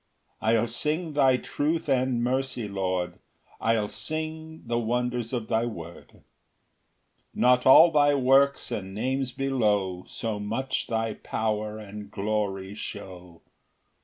] 3 I'll sing thy truth and mercy, Lord, I'll sing the wonders of thy word; Not all thy works and names below So much thy power and glory show.